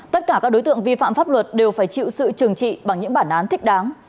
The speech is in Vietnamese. tất cả các đối tượng vi phạm pháp luật đều phải chịu sự trừng trị bằng những bản án thích đáng